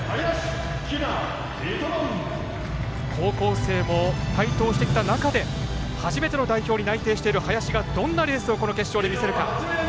高校生も台頭してきた中で初めての代表に内定している林がどんなレースをこの決勝で見せるか。